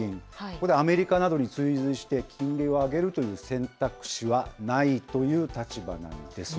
これ、アメリカなどに追随して金利を上げるという選択肢はないという立場なんです。